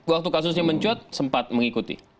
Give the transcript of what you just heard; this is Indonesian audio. waktu kasusnya mencuat sempat mengikuti